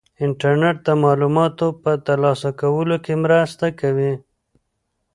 انټرنيټ د معلوماتو په ترلاسه کولو کې مرسته کوي.